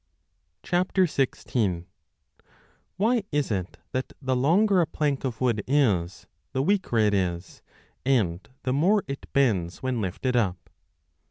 5 WHY is it that the longer a plank of wood is, the weaker 16 it is, and the more it bends when lifted up